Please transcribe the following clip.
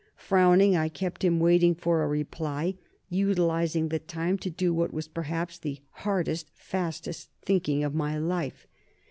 Frowning, I kept him waiting for a reply, utilizing the time to do what was perhaps the hardest, fastest thinking of my life.